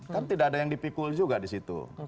kan tidak ada yang dipikul juga di situ